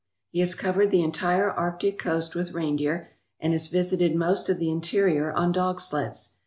He has covered the entire Arctic coast with reindeer and has visited most of the interior on dog sleds.